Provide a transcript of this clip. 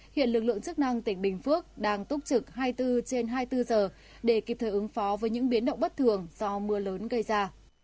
hiện lực lượng chức năng tỉnh bình phước đang túc trực hai mươi bốn trên hai mươi bốn giờ để kịp thời ứng phó với những biến động bất thường do mưa lớn gây ra